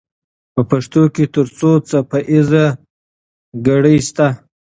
په پښتو کې تر څو څپه ایزه ګړې سته؟